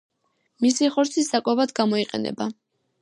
მისი ხორცი საკვებად გამოიყენება.